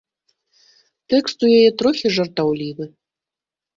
Тэкст у яе трохі жартаўлівы.